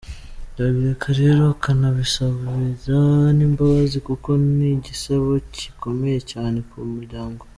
Yabireka rero akanabisabira n’imbabazi kuko ni igisebo gikomeye cyane ku muryango.”